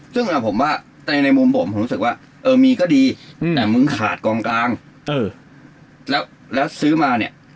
ซึ่งผมว่าในมุมผมผมรู้สึกว่าเออมีก็ดีแต่มึงขาดกองกลางแล้วซื้อมาเนี่ย